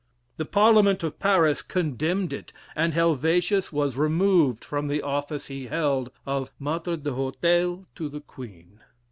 The Parliament of Paris condemned it, and Helvetius was removed from the office he held of "Maitre d'Hotel to the Queen."